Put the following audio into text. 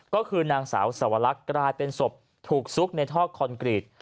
ก็คือนางสาวสวรรคกลายเป็นศพถูกซุกในท่อคอนกรีต